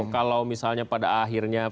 kalau misalnya pada akhirnya